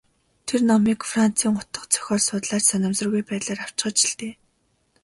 Тэр номыг Францын утга зохиол судлаач санамсаргүй байдлаар авчхаж л дээ.